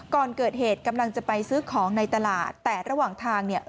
ก่อนเกิดเหตุกำลังจะไปซื้อของในตลาดแต่ระหว่างทางเนี่ย